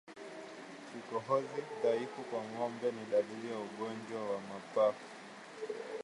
Kikohozi dhaifu kwa ngombe ni dalili ya ugonjwa wa mapafu